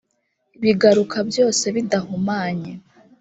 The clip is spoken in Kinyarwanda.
biguruka byose bidahumanye